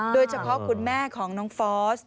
โดยเฉพาะคุณแม่ของน้องฟอร์ส